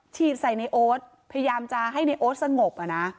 ฉีดใส่ในโอ๊ตพยายามจะให้ในโอ๊ตสงบ